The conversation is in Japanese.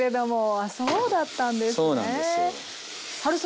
あそうだったんですね。